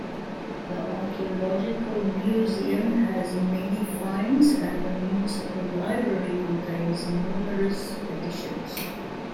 The Archaeological Museum has many finds and the Municipal Library contains numerous editions.